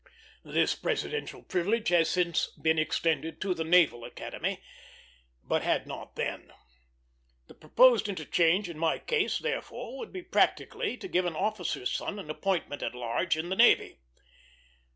This presidential privilege has since been extended to the Naval Academy, but had not then. The proposed interchange in my case, therefore, would be practically to give an officer's son an appointment at large in the navy.